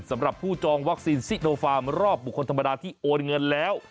สำหรับผู้จองวัคซีนซิโนฟาร์มรอบบุคคลธรรมดาที่โอนเงินแล้ว